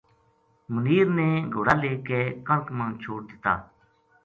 منیر نے گھوڑا لے کے کنک ما چھوڈ دِتا